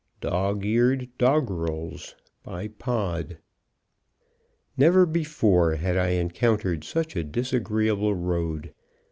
Dogeared Doggerels Pod. Never before had I encountered such a disagreeable road.